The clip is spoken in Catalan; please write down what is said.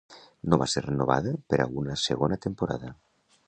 No va ser renovada per a una segona temporada.